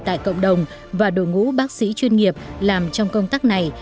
tại cộng đồng và đội ngũ bác sĩ chuyên nghiệp làm trong công tác này